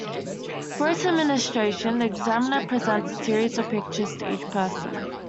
For its administration, the examiner presents a series of pictures to each person.